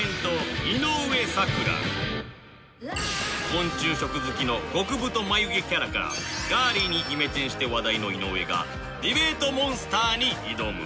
昆虫食好きの極太眉毛キャラからガーリーにイメチェンして話題の井上がディベートモンスターに挑む